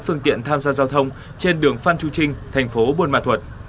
phương tiện tham gia giao thông trên đường phan chu trinh thành phố buôn ma thuật